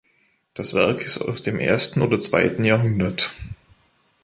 Das Werk ist aus dem ersten oder zweiten Jh.